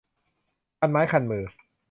คันไม้คันมือ